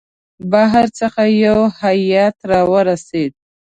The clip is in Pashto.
بهر څخه یو هیئات را ورسېد.